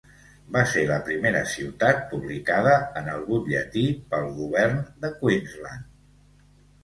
Va ser la primera ciutat publicada en el butlletí pel govern de Queensland.